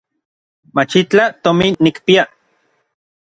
Machitlaj tomin nikpia.